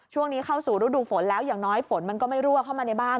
ช่วงนี้เข้าสู่ฤดูฝนแล้วอย่างน้อยฝนมันก็ไม่รั่วเข้ามาในบ้าน